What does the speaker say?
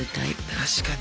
確かに。